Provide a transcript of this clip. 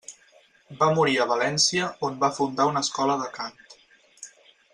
Va morir a València on va fundar una escola de cant.